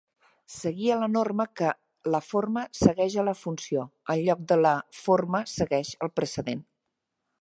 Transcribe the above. Seguia la norma que la "forma segueix a la funció", en lloc de la "forma segueix el precedent".